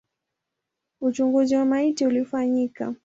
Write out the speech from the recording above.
Uchunguzi wa maiti ulifanyika.